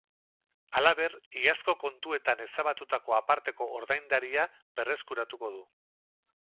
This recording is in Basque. Halaber, iazko kontuetan ezabatutako aparteko ordaindaria berreskuratuko du.